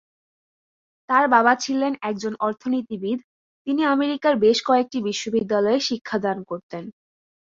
তার বাবা ছিলেন একজন অর্থনীতিবিদ, তিনি আমেরিকার বেশ কয়েকটি বিশ্ববিদ্যালয়ে শিক্ষাদান করতেন।